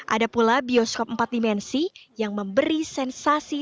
ada pula bioskop empat dimensi yang memberi sensasi